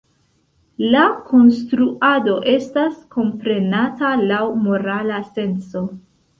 La konstruado estas komprenata laŭ morala senco.